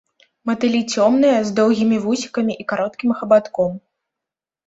Матылі цёмныя, з доўгімі вусікамі і кароткім хабатком.